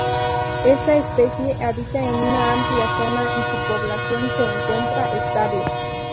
Esta especie habita en una amplia zona y su población se encuentra estable.